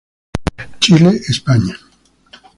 Chile España.